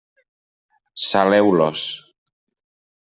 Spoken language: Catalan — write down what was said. Saleu-los.